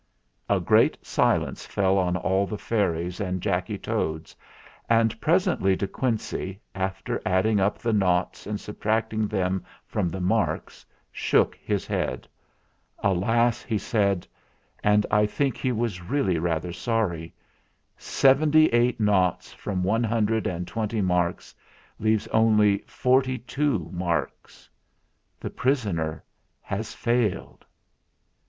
A great silence fell on all the fairies and Jacky Toads, and presently De Quincey, after adding up the noughts and subtracting them from the marks, shook his head. "Alas!" he said; and I think he was really rather sorry. "Seventy eight noughts from one hundred and twenty marks leaves only forty two marks. The prisoner has failed!"